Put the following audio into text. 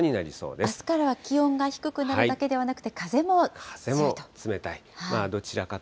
あすから気温が低くなるだけではなくて、風も強いと。